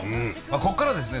ここからですね